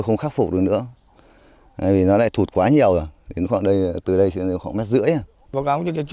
nó lại thụt quá nhiều rồi đến khoảng đây từ đây khoảng mét rưỡi